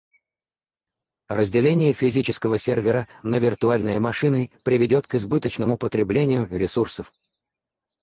Разделение физического сервера на виртуальные машины приведет к избыточному потреблению ресурсов